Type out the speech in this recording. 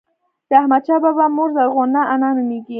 د احمدشاه بابا مور زرغونه انا نوميږي.